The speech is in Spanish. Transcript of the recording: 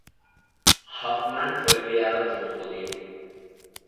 Hoffman fue criado como judío.